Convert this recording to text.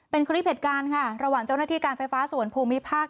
เป็นคลิปเหตุการณ์ค่ะระหว่างเจ้าหน้าที่การไฟฟ้าส่วนภูมิภาค